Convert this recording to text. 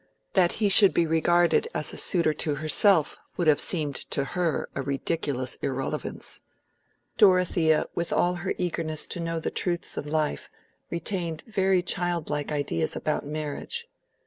That he should be regarded as a suitor to herself would have seemed to her a ridiculous irrelevance. Dorothea, with all her eagerness to know the truths of life, retained very childlike ideas about marriage.